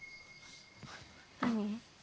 何？